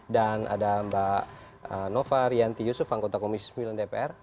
dan ada mbak nova rianti yusuf anggota komisi sembilan dpr